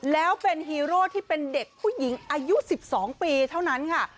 แล้วเป็นฮีโร่ที่เป็นเด็กผู้หญิงอายุ๑๒ปีเท่านั้นค่ะ